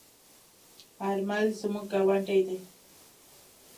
آرمل زموږ گاوندی دی.